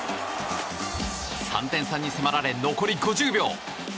３点差に迫られ残り５０秒。